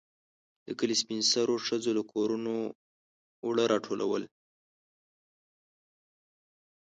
د کلي سپين سرو ښځو له کورونو اوړه راټولول.